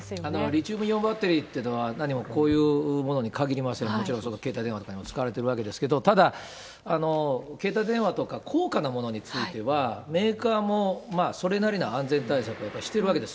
リチウムイオンバッテリーというのは、何もこういうものにかぎりません、もちろん携帯電話とかにも使われているわけですけど、ただ、携帯電話とか、高価なものについては、メーカーもそれなりの安全対策はやっぱりしてるわけです。